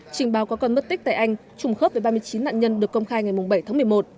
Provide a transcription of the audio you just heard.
trình báo có con mất tích tại anh trùng khớp với ba mươi chín nạn nhân được công khai ngày bảy tháng một mươi một